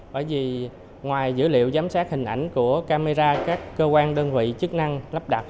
bởi vì ngoài dữ liệu giám sát hình ảnh của camera các cơ quan đơn vị chức năng lắp đặt